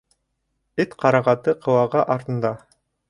Эт ҡарағаты ҡыуағы артында.